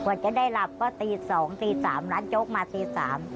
กว่าจะได้หลับตี๒๓แมตรร้านโจ๊กมาตี๓แมตร